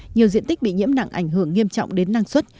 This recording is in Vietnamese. nhiều diện tích bị nhiễm nặng ảnh hưởng nghiêm trọng đến năng suất